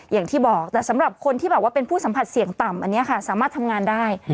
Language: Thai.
อย่างที่บอกแต่สำหรับคนที่แบบว่าเป็นผู้สัมผัสเสี่ยงต่ำอันนี้ค่ะสามารถทำงานได้